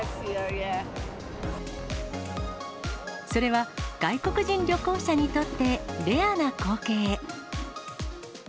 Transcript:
それは、外国人旅行者にとってレアな光景。